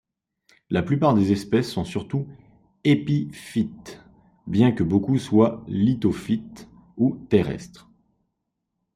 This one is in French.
La plupart des espèces sont surtout épiphytes, bien que beaucoup soient lithophytes ou terrestres.